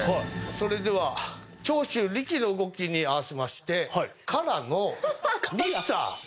それでは長州力の動きに合わせましてＫＡＲＡの『ミスター』。